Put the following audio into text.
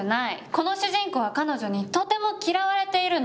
この主人公は彼女にとても嫌われているの。